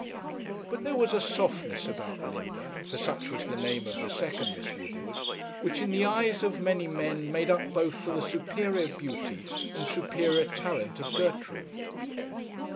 But there was a softness about Linda, for such was the name of the second Miss Woodward, which in the eyes of many men made up both for the superior beauty and superior talent of Gertrude.